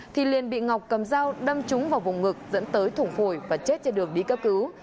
thì liền bị ngọc cầm dao đâm trúng vào vùng ngực dẫn tới thủng phổi và chết trên đường đi cấp cứu